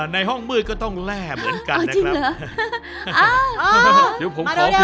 ในห้องมืดก็ต้องแร่เหมือนกันนะครับ